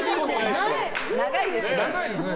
長いですよね。